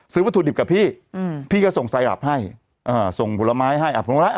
วัตถุดิบกับพี่อืมพี่พี่ก็ส่งไซรับให้อ่าส่งผลไม้ให้อ่ะผลไม้อ่ะ